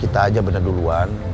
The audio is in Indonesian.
kita aja bernyata duluan